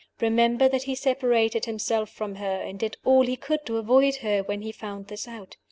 Remember that he separated himself from her, and did all he could to avoid her, when he found this out.